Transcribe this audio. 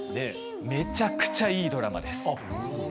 めちゃくちゃいいドラマです。